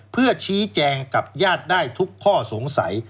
เพื่อชี้แจงกับญาติได้ทุกข้อสงสัย